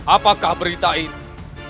apakah berita itu